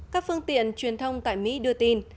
các phương tiện truyền thông tại mỹ đưa tin